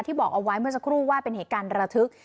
บอกเอาไว้เมื่อสักครู่ว่าเป็นเหตุการณ์ระทึก